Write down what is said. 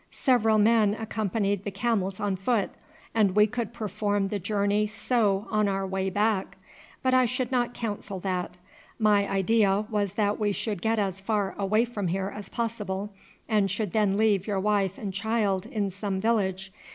Several men accompanied the camels on foot, and we could perform the journey so on our way back; but I should not counsel that. My idea was that we should get as far away from here as possible, and should then leave your wife and child in some village.